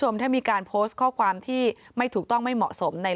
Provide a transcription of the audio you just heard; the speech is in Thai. ถ้ามีการโพสต์ข้อความที่ไม่ถูกต้องไม่เหมาะสมใน